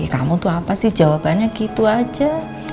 kamu tuh apa sih jawabannya gitu aja